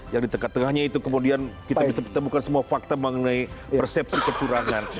yang di tengah tengahnya itu kemudian kita bisa menemukan semua fakta mengenai persepsi kecurangan